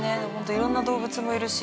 いろんな動物もいるし。